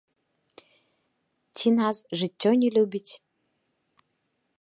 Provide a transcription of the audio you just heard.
Ці нас жыццё не любіць?